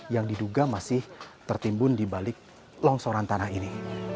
yang diduga masih tertimbun di balik longsoran tanah ini